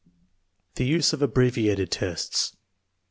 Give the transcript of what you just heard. The use of abbreviated tests.